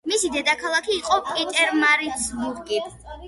მისი დედაქალაქი იყო პიტერმარიცბურგი.